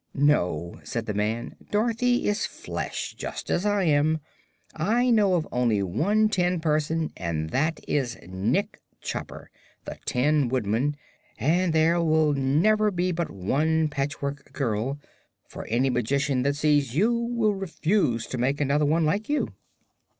"No," said the man; "Dorothy is flesh, just as I am. I know of only one tin person, and that is Nick Chopper, the Tin Woodman; and there will never be but one Patchwork Girl, for any magician that sees you will refuse to make another one like you."